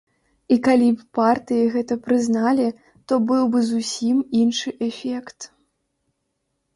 І калі б партыі гэта прызналі, то быў бы зусім іншы эфект.